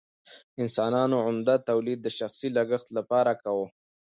انسانانو عمده تولید د شخصي لګښت لپاره کاوه.